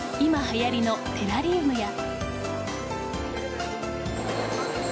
はやりのテラリウムや。